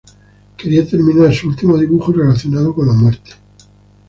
Quería terminar un último dibujo relacionado con la muerte.